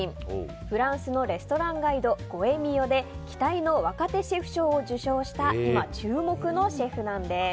フランスのレストランガイド「ゴ・エ・ミヨ」で期待の若手シェフ賞を受賞した今注目のシェフなんです。